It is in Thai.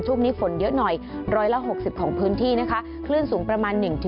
ช่วงนี้ฝนเยอะหน่อย๑๖๐ของพื้นที่นะคะคลื่นสูงประมาณ๑๗